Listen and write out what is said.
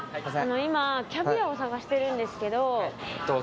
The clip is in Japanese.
今キャビアを探してるんですけど。